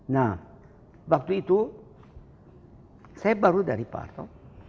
nah waktu itu saya baru dari pak harto